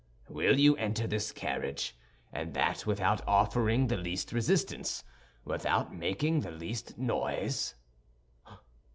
"'—will you enter this carriage, and that without offering the least resistance, without making the least noise?